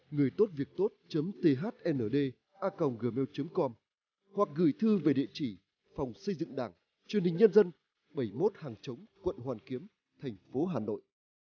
ngườitotviệctot thnda gmail com hoặc gửi thư về địa chỉ phòng xây dựng đảng truyền hình nhân dân bảy mươi một hàng chống quận hoàn kiếm thành phố hà nội